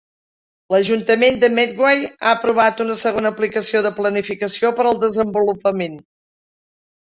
L'Ajuntament de Medway ha aprovat una segona aplicació de planificació per al desenvolupament.